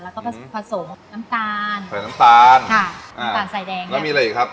แล้วก็ผสมน้ำตาลใส่น้ำตาลค่ะน้ำตาลใส่แดงแล้วมีอะไรอีกครับ